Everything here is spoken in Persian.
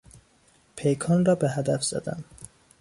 پیکان را به هدف زدن